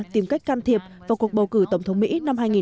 tìm cách can thiệp vào cuộc bầu cử tổng thống mỹ năm hai nghìn một mươi sáu